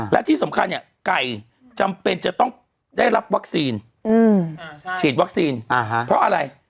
และที่สำคัญเนี่ยไก่จำเป็นจะต้องได้รับวัคซีนฉีดวัคซีนเพราะอะไร